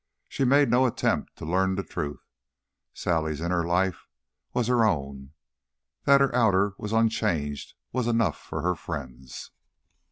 She made no attempt to learn the truth. Sally's inner life was her own; that her outer was unchanged was enough for her friends.